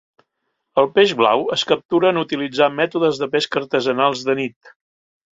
El peix blau es captura en utilitzar mètodes de pesca artesanals de nit.